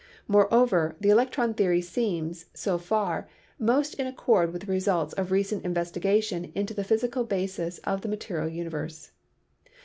Moreover, the electron theory seems, so far, most in accord with the results of recent investigation into the physical basis of the material universe.